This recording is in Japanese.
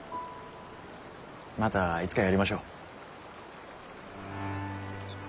またいつかやりましょう。